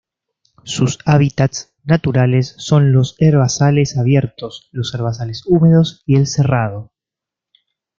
Sus hábitats naturales son los herbazales abiertos, los herbazales húmedos y el cerrado.